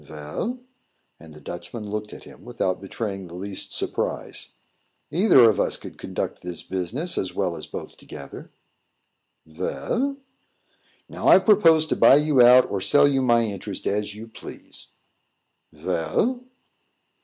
"Vell?" And the Dutchman looked at him without betraying the least surprise. "Either of us could conduct this business as well as both together." "Vell?" "Now, I propose to buy you out or sell you my interest, as you please." "Vell?"